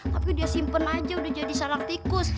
tapi dia simpen aja udah jadi sarang tikus